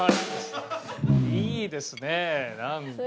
いいですねなんか。